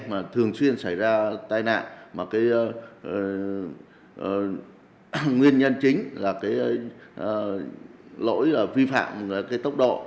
mà thường xuyên xảy ra tai nạn mà nguyên nhân chính là lỗi vi phạm tốc độ